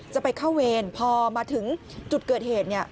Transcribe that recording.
จะไปเข้าเวรพอมาถึงจุดเกิดเหตุเนี่ย